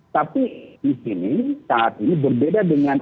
tapi di sini saat ini berbeda dengan